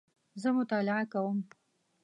زه مطالعه کوم